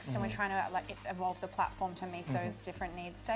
dan kami mencoba untuk membangun platform untuk menemukan perkembangan perlengkapan